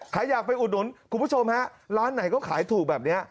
ใครอยากไปอุดหนุนคุณผู้ชมฮะร้านไหนก็ขายถูกแบบนี้